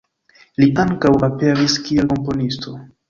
Li ankaŭ aperis kiel komponisto.